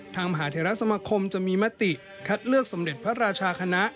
มหาเทราสมคมจะมีมติคัดเลือกสมเด็จพระราชาคณะ